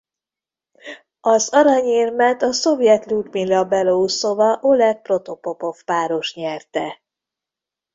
Az aranyérmet a szovjet Ljudmila Belouszova–Oleg Protopopov-páros nyerte.